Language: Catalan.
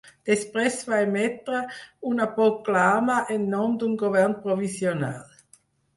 Després va emetre una proclama en nom d'un govern provisional.